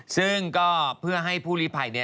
ซึ่งก็เพื่อให้ผู้ลิภัย